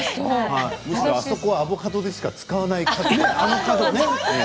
あそこはアボカドでしか使わない角。